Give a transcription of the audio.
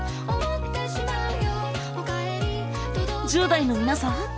１０代の皆さん！